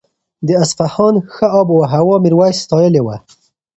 د اصفهان ښه آب و هوا میرویس ستایلې وه.